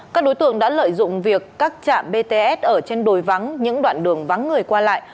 các đối tượng đã lợi dụng việc các trạm bts ở trên đồi vắng những đoạn đường vắng người qua lại